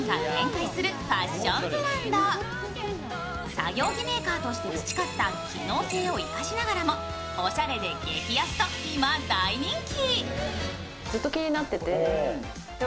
作業着メーカーとして培った機能性を生かしながらもおしゃれで激安と今、大人気。